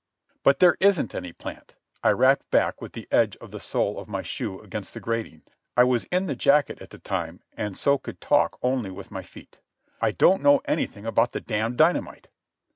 "But there isn't any plant," I rapped back with the edge of the sole of my shoe against the grating—I was in the jacket at the time and so could talk only with my feet. "I don't know anything about the damned dynamite."